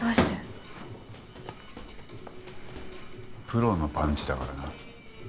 プロのパンチだからな。